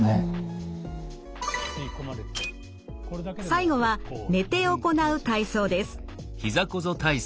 最後は寝て行う体操です。